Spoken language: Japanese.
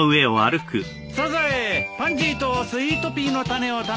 サザエパンジーとスイートピーの種を頼む！